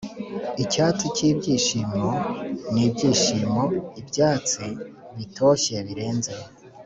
icyatsi cyibyishimo nibyishimo, ibyatsi bitoshye birenze,